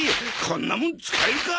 こんなもん使えるか！